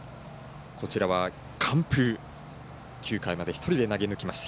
こちらは完封、９回まで１人で投げ抜きました。